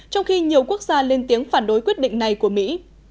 trong khi nhiều quốc gia lên tiếng phản đối quyết định này của mỹ